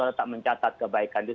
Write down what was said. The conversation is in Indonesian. tetap mencatat kebaikan itu